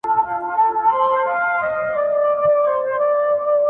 د میني په خواهش مي هوښ بدل پر لېونتوب کړ,